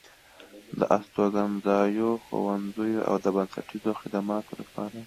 د استوګنځايو، ښوونځيو او د بنسټيزو خدماتو لپاره